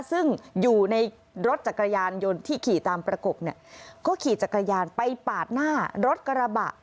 ซึ่งอยู่ในรถจักรยานยนต์ที่ขี่ตามประกบเนี่ยก็ขี่จักรยานไปปาดหน้ารถกระบะ